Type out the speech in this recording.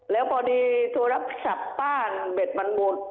แล้วพอดีโทรรับสับป้าเบ็ดบรรบุ